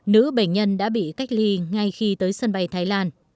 nữ bệnh nhân đã bị cách ly ngay khi tới sân bay thái lan